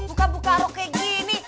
buka buka rok kayak gini